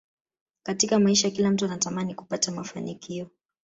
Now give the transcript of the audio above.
Katika maisha kila mtu anatamani kupata mafanikio